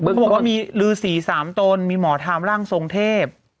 เขาบอกว่ามีลือสี๓ตนมีหมอธรรมร่างทรงเทพ